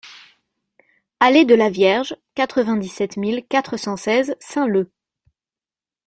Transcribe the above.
Allèe De La Vierge, quatre-vingt-dix-sept mille quatre cent seize Saint-Leu